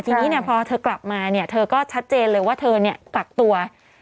ทีนี้พอเธอกลับมาเนี่ยเธอก็ชัดเจนเลยว่าเธอกักตัว